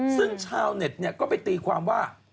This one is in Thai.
ซึ่งชาวเน็ตก็ไปตีความว่า